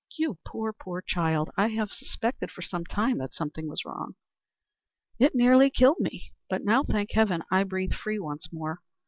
"You poor, poor child. I have suspected for some time that something was wrong." "It nearly killed me. But now, thank heaven, I breathe freely once more.